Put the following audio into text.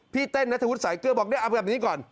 พี่เต้นนัดถวุฒิสายเกลือบอกเอาแบบนี้ก่อน